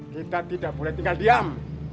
kita tidak boleh tinggal diam